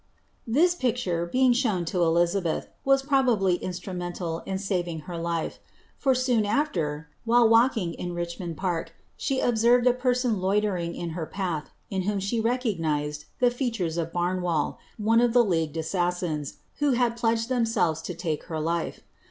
'' This picture, being shown to Elizabeth, was probably instrumenul in saving her life ; for, soon after, while walking in Richmond Park. s\\< observed a person loitering in lier path, in whom she recognised ihe fea tures of Barnwali, one of llie leagued assassins, who had pledged ihem eelves to take her life.